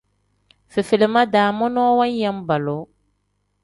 Fefelima-daa monoo waaya baaloo.